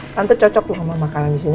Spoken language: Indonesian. tante cocok tuh sama makanan di sini